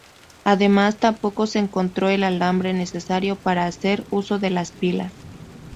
Además, tampoco se encontró el alambre necesario para hacer uso de las pilas.